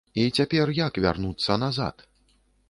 І цяпер як вярнуцца назад?